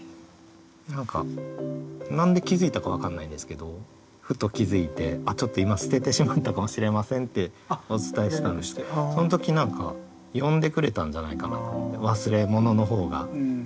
何か何で気付いたか分かんないですけどふと気付いて「ちょっと今捨ててしまったかもしれません」ってお伝えしたんですけどその時何か呼んでくれたんじゃないかなと思って。